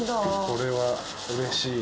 これはうれしい。